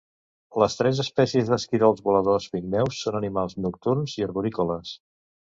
Les tres espècies d'esquirols voladors pigmeus són animals nocturns i arborícoles.